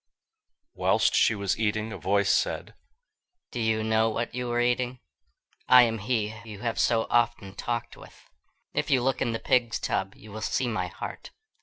Whilst she was eating, a voice said, "Do you know what you are eating? I am he you have so often talked with. If you look in the pig's tub, you will see my heart."